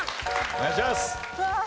お願いします！